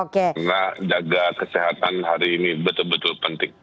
karena jaga kesehatan hari ini betul betul penting